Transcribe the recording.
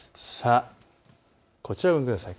こちらをご覧ください。